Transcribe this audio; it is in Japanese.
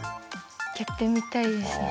やってみたいですね。